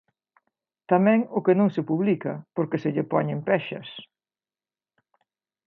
Tamén o que non se publica porque se lle poñen pexas.